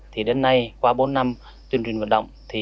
thì đến nay qua bốn năm tuyên truyền vận động